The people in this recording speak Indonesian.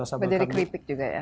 bersama dari kripik juga ya